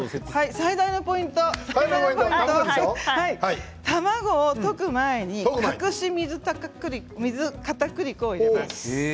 最大のポイント卵を溶く前に水かたくり粉を入れます。